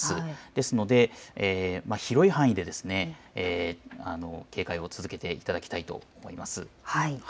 ですので広い範囲で警戒を続けていただきたいと思います。